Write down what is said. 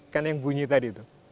karena yang bunyi tadi itu